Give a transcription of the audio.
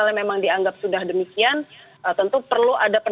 kalau memang dianggap sudah demikian tentu perlu ada perubahan